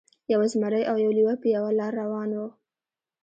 یو زمری او یو لیوه په یوه لاره روان وو.